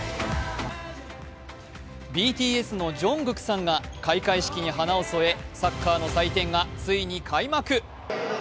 ＢＴＳのＪＵＮＧＫＯＯＫさんが開幕式に華を添えサッカーの祭典がついに開幕。